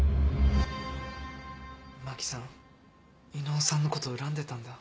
真紀さん伊能さんのこと恨んでたんだ。